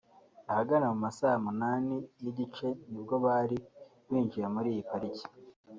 Ahagana mu ma saa munani n’igice ni bwo bari binjiye muri iyi parike